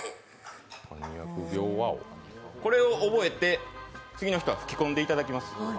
これを覚えて、次の人は吹き込んでもらいます。